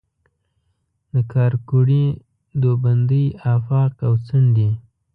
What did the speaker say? د کارکوړي، دوبندۍ آفاق او څنډي